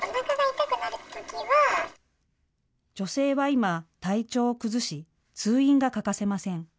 女性は今、体調を崩し通院が欠かせません。